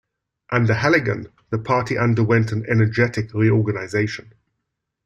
Under Halligan the party underwent an energetic reorganisation.